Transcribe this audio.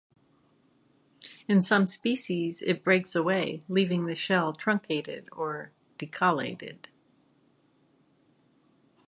In some species it breaks away, leaving the shell truncated or decollated.